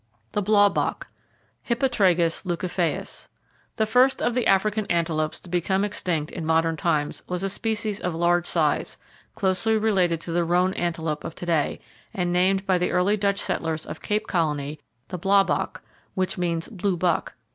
The Blaubok, (Hippotragus leucophaeus). —The first of the African antelopes to become extinct in modern times was a species of large size, closely related to the roan antelope of to day, and named by the early Dutch settlers of Cape Colony the blaubok, which means "blue buck."